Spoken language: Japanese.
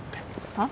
はっ？